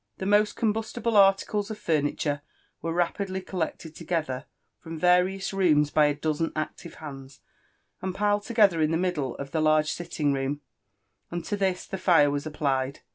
The most combustible articles of furniture were rapidly collected together from various rooms by a dozen active hands, and piled together in the middle of the larg» sitting room ; and to this the fire was applied.